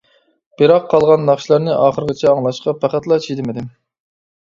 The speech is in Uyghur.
بىراق قالغان ناخشىلارنى ئاخىرىغىچە ئاڭلاشقا پەقەتلا چىدىمىدىم.